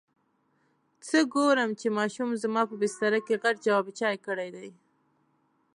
څه ګورم چې ماشوم زما په بستره کې غټ جواب چای کړی دی.